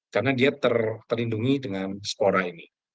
karena dia terlindungi dengan spora ini